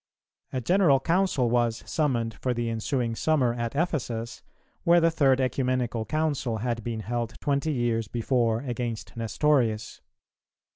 A general Council was summoned for the ensuing summer at Ephesus, where the third Ecumenical Council had been held twenty years before against Nestorius.